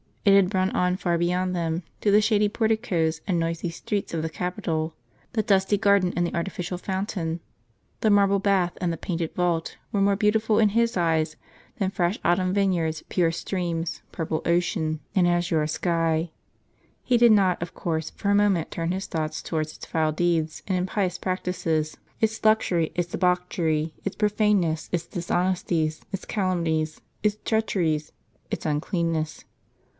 It had run on far beyond them, to the shady porticoes and noisy streets of the cttr capital. The dusty garden and the artificial fountain, the marble bath and the painted vault, were more beautiful in his eyes than fresh autumn vineyards, pure streams, purple ocean. Interior of a Roman Theatr and azure sky. He did not, of course, for a moment turn his thoughts towards its foul deeds and impious practices, its luxury, its debauchery, its profaneness, its dishonesties, its calumnies, its treacheries, its uncleannesses.